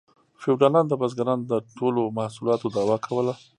فیوډالانو د بزګرانو د ټولو محصولاتو دعوه کوله